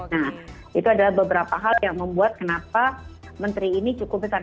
nah itu adalah beberapa hal yang membuat kenapa menteri ini cukup besar